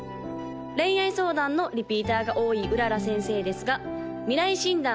恋愛相談のリピーターが多い麗先生ですが未来診断